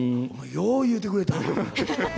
よう言うてくれた。